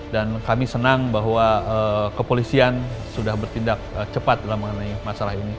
dan kami senang bahwa kepolisian sudah bertindak cepat dalam mengenai masalah ini